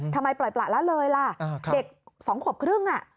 ทำไมปล่อยประละเลยล่ะเด็ก๒ขวบครึ่ง